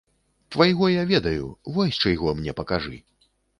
Твайго я ведаю, вось чыйго мне пакажы.